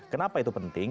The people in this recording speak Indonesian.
kenapa itu penting